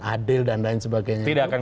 adil dan lain sebagainya tidak akan